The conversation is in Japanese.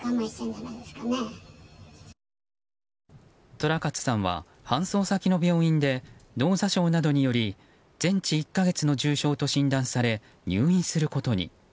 寅勝さんは、搬送先の病院で脳挫傷などにより全治１か月の重傷と診断され入院することに。